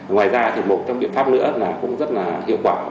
ngoài ra thì một trong biện pháp nữa là cũng rất là hiệu quả